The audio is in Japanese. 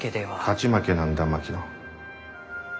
勝ち負けなんだ槙野。